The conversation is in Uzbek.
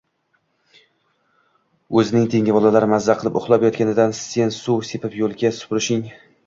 O‘zing tengi bolalar maza qilib uxlab yotganida sen suv sepib yo‘lka supurishing...